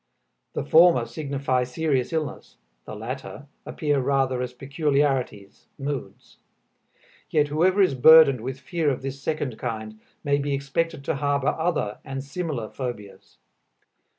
The former signify serious illness, the latter appear rather as peculiarities, moods. Yet whoever is burdened with fear of this second kind may be expected to harbor other and similar phobias.